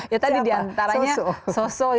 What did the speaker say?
ya tadi di antaranya sosok